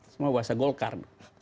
semua bahasa golkar